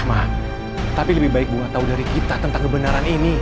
nah tapi lebih baik bunga tahu dari kita tentang kebenaran ini